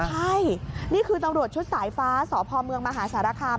ใช่นี่คือตำรวจชุดสายฟ้าสพเมืองมหาสารคาม